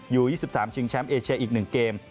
อยู่๒๓ชิงแชมป์เอเชียอีก๑เกม